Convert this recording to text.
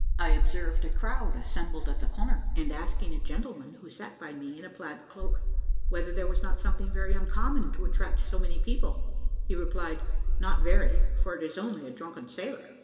I observed a crowd assembled at the corner; and asking a gentleman who sat by me in a plaid cloak, whether there was not something very uncommon to attract so many people, he replied, "Not very, for it is only a drunken sailor."